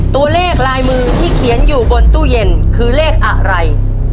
ตัวเลขลายมือที่เขียนอยู่บนตู้เย็นคือเลขอะไร